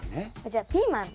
じゃあピーマン。